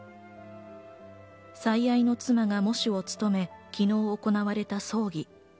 最愛の妻が喪主を務め、昨日行われた葬儀。